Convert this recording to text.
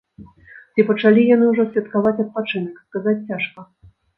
Ці пачалі яны ўжо святкаваць адпачынак, сказаць цяжка.